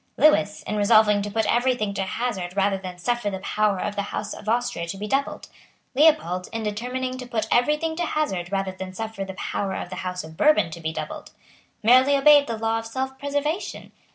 Lewis, in resolving to put every thing to hazard rather than suffer the power of the House of Austria to be doubled; Leopold, in determining to put every thing to hazard rather than suffer the power of the House of Bourbon to be doubled; merely obeyed the law of self preservation.